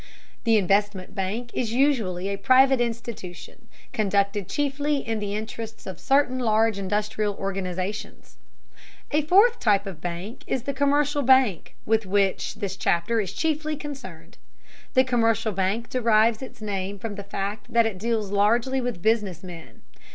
The investment bank is usually a private institution, conducted chiefly in the interests of certain large industrial organizations. A fourth type of bank is the commercial bank, with which this chapter is chiefly concerned. The commercial bank derives its name from the fact that it deals largely with business men.